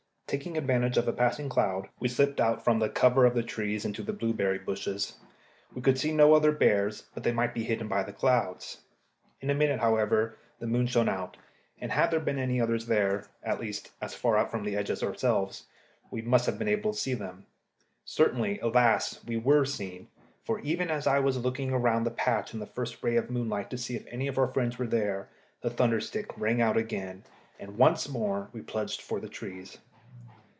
Taking advantage of a passing cloud, we slipped out from the cover of the trees into the berry bushes. We could see no other bears, but they might be hidden by the clouds. In a minute, however, the moon shone out, and had there been any others there at least, as far out from the edge as ourselves we must have been able to see them. Certainly, alas! we were seen, for even as I was looking round the patch in the first ray of the moonlight to see if any of our friends were there, the thunder stick rang out again, and once more we plunged for the trees.